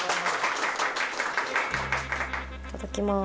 いただきます。